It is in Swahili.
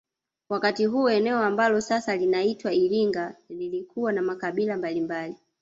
Wakati huo eneo ambalo sasa linaitwa iringa lilikuwa na makabila mbalimbali